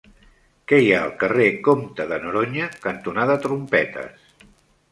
Què hi ha al carrer Comte de Noroña cantonada Trompetes?